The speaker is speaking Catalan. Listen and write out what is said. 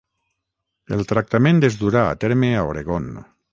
El tractament es durà a terme a Oregon.